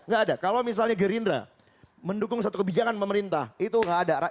nggak ada kalau misalnya gerindra mendukung satu kebijakan pemerintah itu